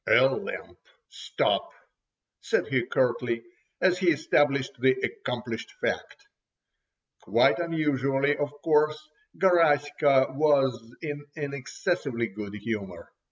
"A lamp! Stop!" said he curtly, as he established the accomplished fact. Quite unusually, of course, Garaska was in an excessively good humour.